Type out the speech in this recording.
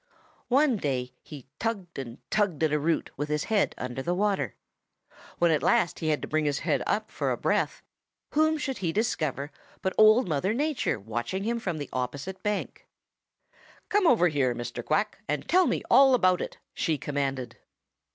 "One day he tugged and tugged at a root with his head under water. When at last he had to bring his head up for a breath, whom should he discover but Old Mother Nature watching him from the opposite bank. 'Come over here, Mr. Quack, and tell me all about it,' she commanded.